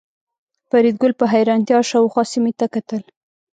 فریدګل په حیرانتیا شاوخوا سیمې ته کتل